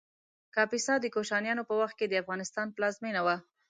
کاپیسا د کوشانیانو په وخت کې د افغانستان پلازمېنه وه